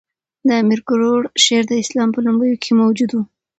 د امیر کروړ شعر د اسلام په لومړیو کښي موجود وو.